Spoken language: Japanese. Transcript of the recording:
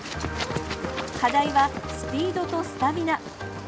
課題はスピードとスタミナ。